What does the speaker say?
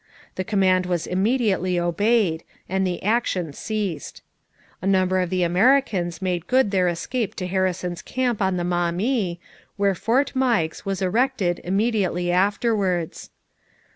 The command was immediately obeyed, and the action ceased. A number of the Americans made good their escape to Harrison's camp on the Maumee, where Fort Meigs was erected immediately afterwards.